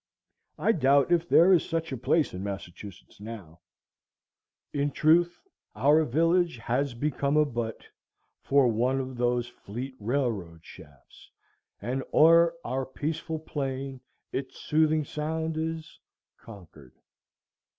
I doubt if there is such a place in Massachusetts now:— "In truth, our village has become a butt For one of those fleet railroad shafts, and o'er Our peaceful plain its soothing sound is—Concord."